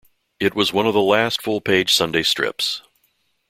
It was one of the last full page Sunday strips.